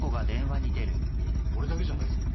いやいや俺だけじゃないぞ。